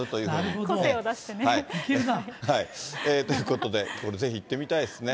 個性を出してね。ということで、これぜひ行ってみたいですね。